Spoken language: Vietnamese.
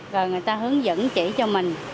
rồi người ta hướng dẫn chỉ cho mình